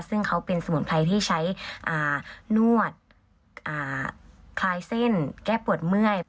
ซึ่งเขาเป็นสมุนไพรที่ใช้นวดคลายเส้นแก้ปวดเมื่อย